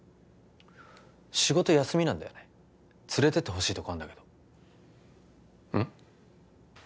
仕事休みなんだよね連れてってほしいとこあんだけどうん？